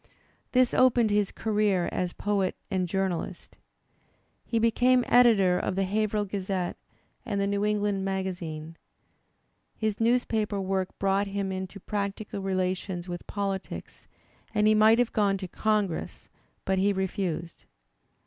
This opened his career as poet and journalist. He became editor of The HaverhiU Gazette and The New England Magazine, His newspaper work brought him into practical relations with politics, and he might have gone to Congress; but he refused.